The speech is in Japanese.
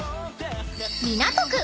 ［港区